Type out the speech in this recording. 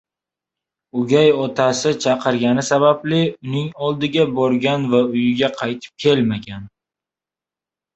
o'gay otasi chaqirgani sababli uning oldiga borgan va uyiga qaytib kelmagan